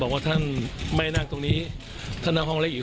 ท่านก็พาไปดูไม่ได้ลองนั่งครับไม่ได้ลองนั่งครับ